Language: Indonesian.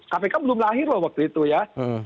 kpk belum lahir loh waktu itu ya